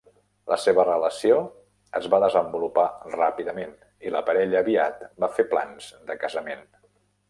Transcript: La seva relació es va desenvolupar ràpidament, i la parella aviat va fer plans de casament.